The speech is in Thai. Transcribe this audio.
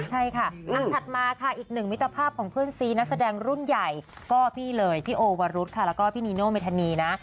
ใช่ค่ะอันถัดมาค่ะอีกหนึ่งมิตรภาพของเพื่อนซีนักแสดงรุ่นใหญ่ก็พี่เลยพี่โอวรุธค่ะแล้วก็พี่นีโนเมธานีนะ